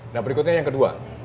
nah berikutnya yang kedua